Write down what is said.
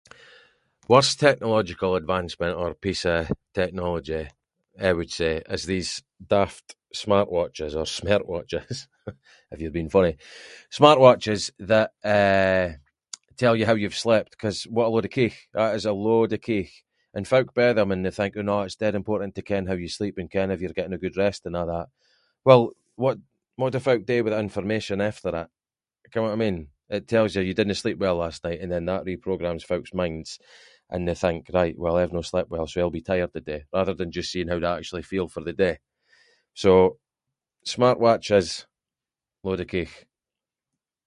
Worst technological advancement, or piece of technology I would say is these daft smartwatches or smertwatches if you’re being funny. Smartwatches that, eh, tell you how you’ve slept, cause what a load of keech, that is a load of keech, and folk buy them and think its dead important to ken how you sleep and ken if you’re getting a good rest and a’ that well, what- what do folk do with that information after that, ken what I mean, it tells you didn’t sleep well last night, and then that reprogrammes folk’s minds and they think right well I’ve no slept well so I’ll be tired the day, rather than just seeing how they actually feel for the day. So smartwatches, load of keech